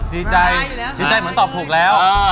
ดีใจดีใจเหมือนตอบถูกแล้ว